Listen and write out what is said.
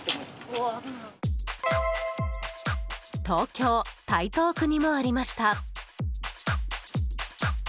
東京・台東区にもありました。